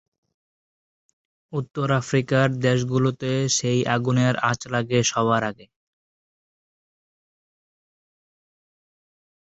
উত্তর আফ্রিকার দেশগুলোতে সেই আগুনের আঁচ লাগে সবার আগে।